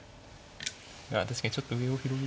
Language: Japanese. いや確かにちょっと上を広げて。